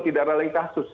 tidak ada lagi kasus